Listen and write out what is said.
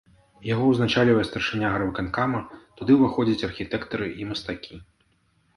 Яго ўзначальвае старшыня гарвыканкама, туды ўваходзяць архітэктары і мастакі.